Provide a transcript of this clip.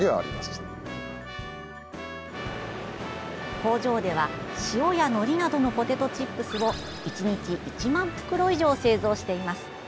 工場では、塩やのりなどのポテトチップスを１日１万袋以上製造しています。